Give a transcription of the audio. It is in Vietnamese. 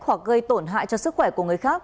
hoặc gây tổn hại cho sức khỏe của người khác